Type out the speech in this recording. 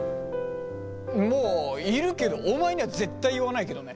まあいるけどお前には絶対言わないけどね。